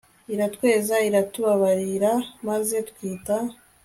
iratweza iratubabarira maze twita